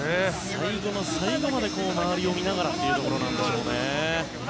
最後の最後まで周りを見ながらということなんでしょうね。